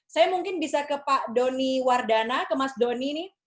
saya mungkin bisa ke pak doni wardana ke mas doni nih